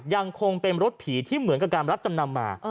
ยังคงเป็นรถผีที่เหมือนกับการรับจำนำมา